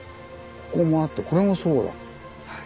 ここもあってこれもそうだ。